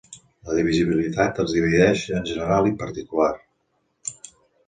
La divisibilitat es divideix en general i particular.